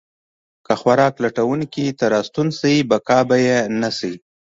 که خوراک لټونکي ته راستون شي، بقا به یې نه شي.